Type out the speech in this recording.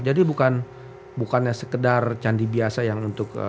jadi bukan bukannya sekedar candi biasa yang untuk